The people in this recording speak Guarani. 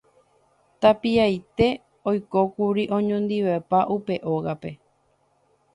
tapiaite oikókuri oñondivepa upe ógape.